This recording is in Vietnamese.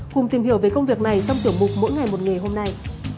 cùng tìm hiểu về công việc này trong tiểu mục mỗi ngày một ngày hôm nay